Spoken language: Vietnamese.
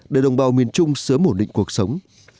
để đồng bào miền trung sớm ổn định cuộc sống